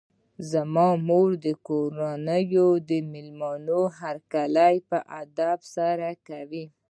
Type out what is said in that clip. زما مور د کورونو د مېلمنو هرکلی په ادب سره کوي.